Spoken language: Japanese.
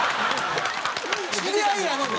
知り合いなのに？